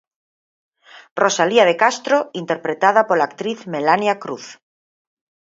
Rosalía de Castro, interpretada pola actriz Melania Cruz.